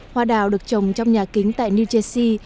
hoa đào được trồng trong nhà kính tại new jersey